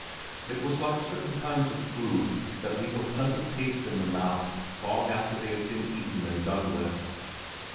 It was like certain kinds of food, that leave a pleasant taste in the mouth long after they have been eaten and done with.